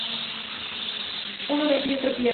Uno vence y otro pierde.